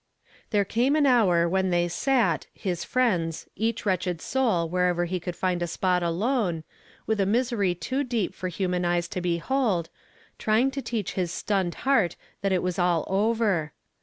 ° There came an hour when they sat, his friends each wretched soul, wherever he could find a spot alone, with a misery too deep for luiman eyes to behold, trying to teach his stunned heart that it was all over.